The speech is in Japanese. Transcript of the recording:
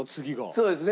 そうですね。